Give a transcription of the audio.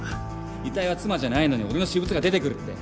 遺体は妻じゃないのに俺の私物が出てくるって。